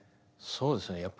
そうですね